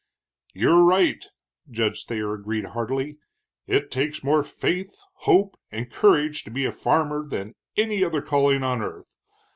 "You're right," Judge Thayer agreed heartily; "it takes more faith, hope, and courage to be a farmer than any other calling on earth.